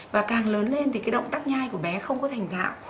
và càng lớn lên thì cái động tác nhai của bé không có thành gạo